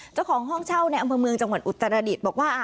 เจ้าของห้องเช่าในอำเภอเมืองจังหวัดอุตรดิษฐ์บอกว่า